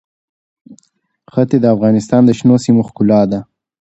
ښتې د افغانستان د شنو سیمو ښکلا ده.